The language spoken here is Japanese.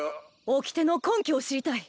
おきての根拠を知りたい。